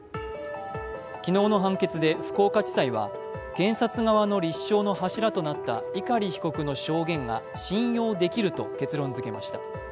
昨日の判決で福岡地裁は検察側の立証の柱となった碇被告の証言が信用できると結論づけました。